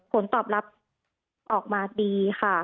ผลตอบรับออกมาดีค่ะ